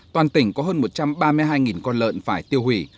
toàn tỉnh có hơn một trăm ba mươi hai con lợn phải tiêu hủy